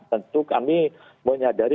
untuk kami menyadari